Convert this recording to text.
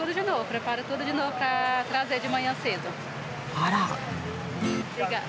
あら。